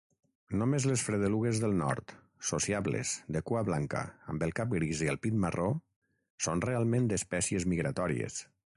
Només les fredelugues del nord, sociables, de cua blanca, amb el cap gris i el pit marró són realment espècies migratòries.